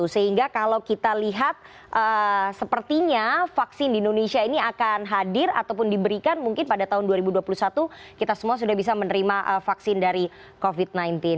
sehingga kalau kita lihat sepertinya vaksin di indonesia ini akan hadir ataupun diberikan mungkin pada tahun dua ribu dua puluh satu kita semua sudah bisa menerima vaksin dari covid sembilan belas